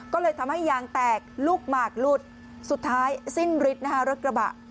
ก็เลยทำให้ยางแตกลูกหมากหลุดสุดท้ายสิ้นฤทธิ์นะฮะรถกระบะ